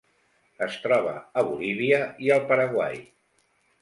Es troba a Bolívia i al Paraguai.